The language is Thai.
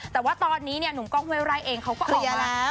แต่ว่าตอนนี้เนี่ยหนุ่มกล้องเฮวไลน์เองเขาก็ออกมา